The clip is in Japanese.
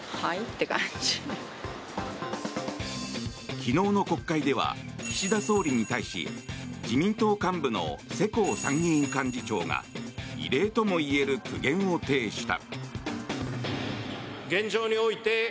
昨日の国会では岸田総理に対し自民党幹部の世耕参院幹事長が異例ともいえる苦言を呈した。